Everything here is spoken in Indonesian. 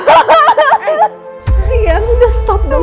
eh iya udah stop dong